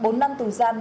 bốn năm tù giam